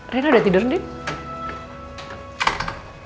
rena udah tidur nih